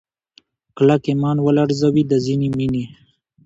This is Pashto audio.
کلک ایمان ولړزوي دا ځینې مینې